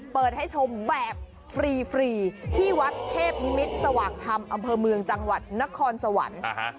เปิดให้ชมแบบฟรีที่วัดเทพนิมิตรสว่างธรรมอำเภอเมืองจังหวัดนครสวรรค์